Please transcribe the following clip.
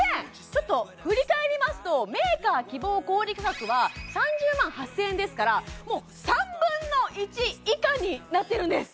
ちょっと振り返りますとメーカー希望小売価格は３０万８０００円ですからもう３分の１以下になってるんです